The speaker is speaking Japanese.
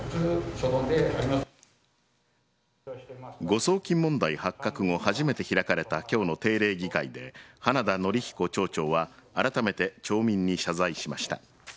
誤送金問題発覚後初めて開かれた今日の定例議会で花田憲彦町長はあらためて町民に謝罪しました。